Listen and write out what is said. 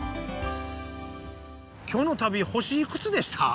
きょうの旅星いくつでした？